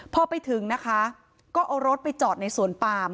พอไปถึงนะคะก็เอารถไปจอดในสวนปาม